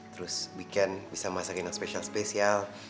terus weekend bisa masakin yang spesial spesial